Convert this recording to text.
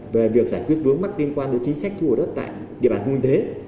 về việc giải quyết vướng mắc liên quan đến chính sách thu hút đất tại địa bàn quân tế